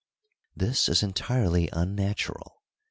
This is entirely unnatural.